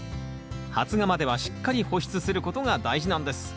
発芽まではしっかり保湿することが大事なんです。